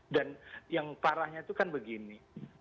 dan yang parahnya itu kan begini